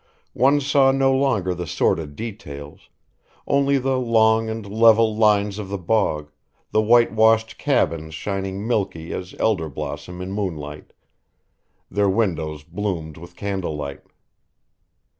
One saw no longer the sordid details, only the long and level lines of the bog, the white washed cabins shining milky as elder blossom in moonlight, their windows bloomed with candlelight.